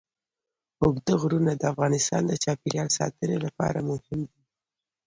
اوږده غرونه د افغانستان د چاپیریال ساتنې لپاره مهم دي.